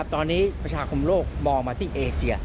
ตอนนี้ประชาคมโลกมองมาที่เอเซีย